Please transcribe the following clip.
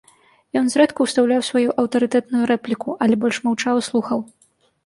Ён зрэдку ўстаўляў сваю аўтарытэтную рэпліку, але больш маўчаў і слухаў.